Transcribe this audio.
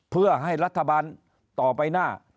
เพื่อให้รัฐบาลต่อไปหน้า